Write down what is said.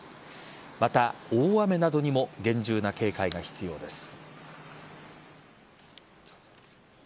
また、大雨などにも厳重な警戒が必要です。